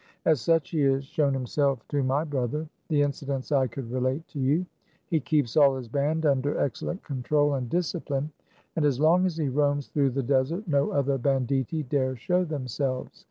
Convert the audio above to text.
As such, he has shown himself to my brother ; the incidents I could relate to you. He keeps all his band under excellent control and discipline, THE CAB AVAN. 155 and as long as he roams through the desert no other banditti dare show themselves.